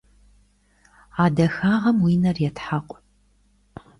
А дахагъэм уи нэр етхьэкъу.